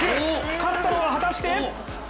勝ったのは果たして？